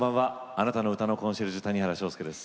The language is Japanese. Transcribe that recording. あなたの歌のコンシェルジュ谷原章介です。